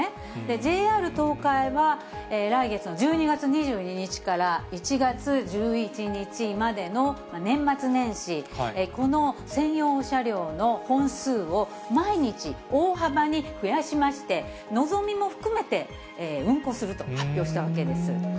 ＪＲ東海は、来月の１２月の２２日から１月１１日までの年末年始、この専用車両の本数を毎日、大幅に増やしまして、のぞみも含めて、運行すると発表したわけです。